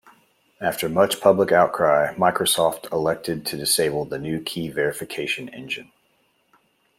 After much public outcry, Microsoft elected to disable the new key verification engine.